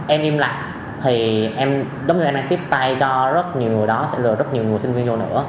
em im lặng thì em giống như em đang tiếp tay cho rất nhiều người đó sẽ lừa rất nhiều người sinh viên vô nữa